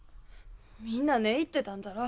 みんな寝入ってたんだろ。